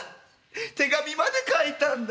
手紙まで書いたんだ」。